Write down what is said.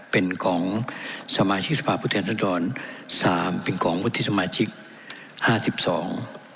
เป็นของสมาชิกสภาพผู้แทนรัศดรสามเป็นของวุฒิสมาชิกห้าสิบสอง